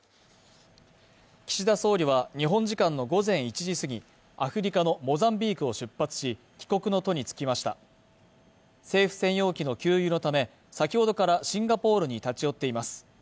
岸田総理は日本時間の午前１時過ぎ、アフリカのモザンビークを出発し、帰国の途につきました政府専用機の給油のため、先ほどからシンガポールに立ち寄っています。